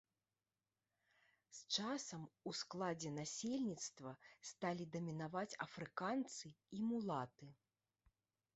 З часам у складзе насельніцтва сталі дамінаваць афрыканцы і мулаты.